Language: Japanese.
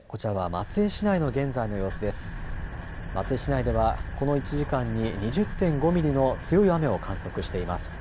松江市内ではこの１時間に２０．５ミリの強い雨を観測しています。